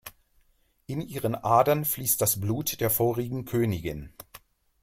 In ihren Adern fließt das Blut der vorigen Königin.